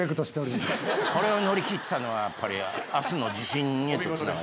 これを乗り切ったのはやっぱり明日の自信へとつながる。